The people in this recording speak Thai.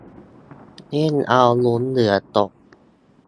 เล่นเอาลุ้นเหงื่อตก